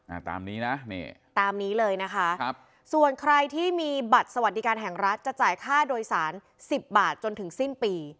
อ่าตามนี้นะนี่ตามนี้เลยนะคะครับส่วนใครที่มีบัตรสวัสดิการแห่งรัฐจะจ่ายค่าโดยสารสิบบาทจนถึงสิ้นปี